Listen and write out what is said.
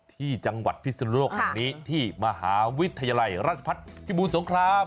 ที่จังหวัดพิศนุกที่มหาวิทยาลัยราชภัทรศิบูรณ์สงคราม